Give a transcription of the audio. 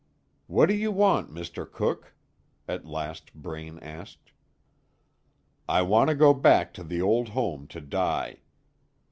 "What do you want, Mr. Cooke?" at last Braine asked. "I want to go back to the old home to die.